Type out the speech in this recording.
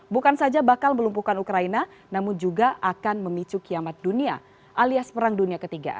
bukan saja bakal melumpuhkan ukraina namun juga akan memicu kiamat dunia alias perang dunia ketiga